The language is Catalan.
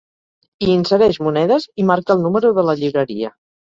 Hi insereix monedes i marca el número de la llibreria.